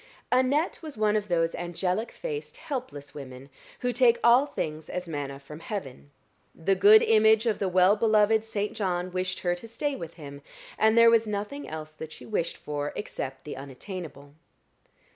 Annette was one of those angelic faced helpless women who take all things as manna from heaven: the good image of the well beloved Saint John wished her to stay with him, and there was nothing else that she wished for except the unattainable.